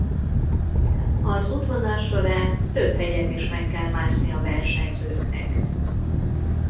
Az útvonal során több hegyet is meg kell mászni a versenyzőknek.